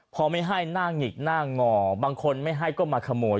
พอไม่ให้หน้าหงิกหน้างอบางคนไม่ให้ก็มาขโมย